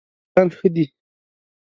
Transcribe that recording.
استادان ښه دي؟